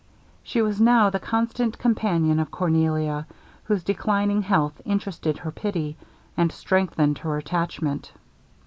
She was now the constant companion of Cornelia, whose declining health interested her pity, and strengthened her attachment.